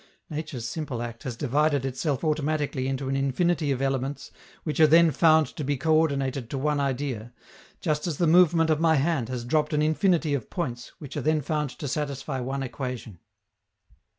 Nature's simple act has divided itself automatically into an infinity of elements which are then found to be coördinated to one idea, just as the movement of my hand has dropped an infinity of points which are then found to satisfy one equation.